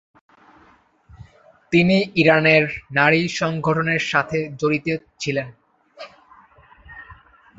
তিনি ইরানের নারী সংগঠনের সাথে জড়িত ছিলেন।